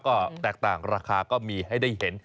ก็แตกต่างราคาก็มีให้ได้เห็น